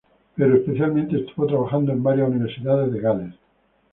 Pero especialmente estuvo trabajando en varias universidades de Gales.